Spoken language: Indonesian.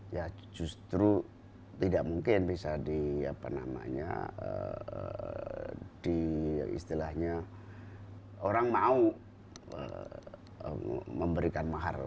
ya justru tidak mungkin bisa di istilahnya orang mau memberikan mahar